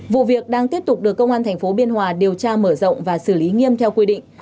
vụ việc đang tiếp tục được công an tp biên hòa điều tra mở rộng và xử lý nghiêm theo quy định